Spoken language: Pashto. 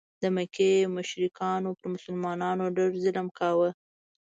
د مکې مشرکانو پر مسلمانانو ډېر ظلم کاوه.